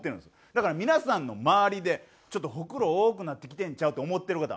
だから皆さんの周りでちょっとホクロ多くなってきてるんちゃう？と思ってる方